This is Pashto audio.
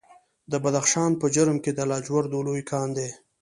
د بدخشان په جرم کې د لاجوردو لوی کان دی.